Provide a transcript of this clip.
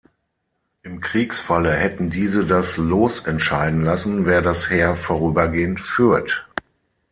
Im Kriegsfalle hätten diese das Los entscheiden lassen, wer das Heer vorübergehend führt.